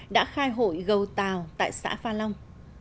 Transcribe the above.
đã khai hội gầu tào tại xã pha long